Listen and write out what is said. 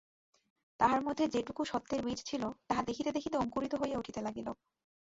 তাহার মধ্যে যেটুকু সত্যের বীজ ছিল, তাহা দেখিতে দেখিতে অঙ্কুরিত হইয়া উঠিতে লাগিল।